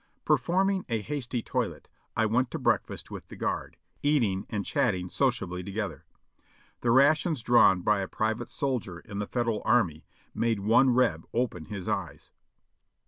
Performing a hasty toilet, I went to breakfast with the guard, eating and chatting sociably together. The rations drawn by a private soldier in the Federal Army made one Reb open his eyes.